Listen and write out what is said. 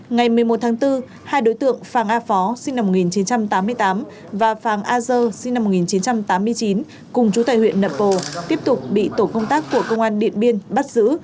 ngày một mươi một tháng bốn hai đối tượng phàng a phó sinh năm một nghìn chín trăm tám mươi tám và phàng a dơ sinh năm một nghìn chín trăm tám mươi chín cùng chú tài huyện nậm pồ tiếp tục bị tổ công tác của công an điện biên bắt giữ